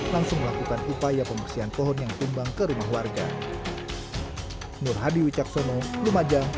langsung melakukan upaya pembersihan pohon yang tumbang ke rumah warga nur hadi wicaksono lumajang